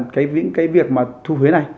cái việc thu phí này